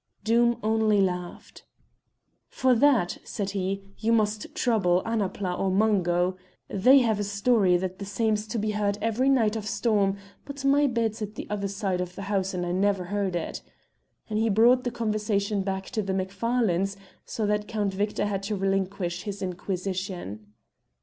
Doom only laughed. "For that," said he, "you must trouble Annapla or Mungo. They have a story that the same's to be heard every night of storm, but my bed's at the other side of the house and I never heard it;" and he brought the conversation back to the Macfarlanes, so that Count Victor had to relinquish his inquisition.